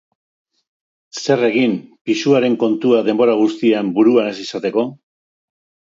Zer egin pisuaren kontua denbora guztian buruan ez izateko?